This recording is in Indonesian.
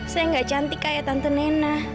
saya gak cantik kayak tante nena